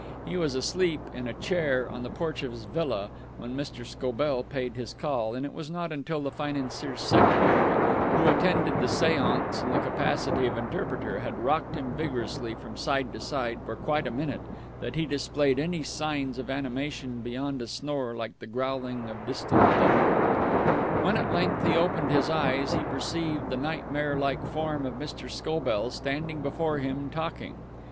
He was asleep in a chair on the porch of his villa when Mr. Scobell paid his call, and it was not until the financier's secretary, who attended the seance in the capacity of interpreter, had rocked him vigorously from side to side for quite a minute that he displayed any signs of animation beyond a snore like the growling of distant thunder. When at length he opened his eyes, he perceived the nightmare like form of Mr. Scobell standing before him, talking.